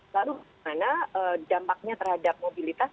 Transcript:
lalu mana dampaknya terhadap mobilitas